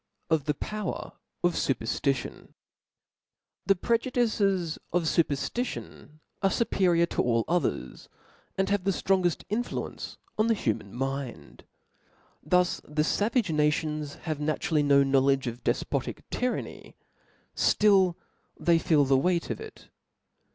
Thfe prejadrces of fuperftition are fuperior to all others, and have the ftrongeft influence on the hu man rfiind. Thus, though the favage nations have naturally n6 knowledge of defpotic tyranny, ftill they feel the weight of it.